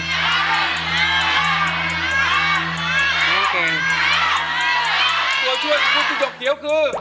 ตัวช่วยของคุณจิ๊กจบเฉียวคือ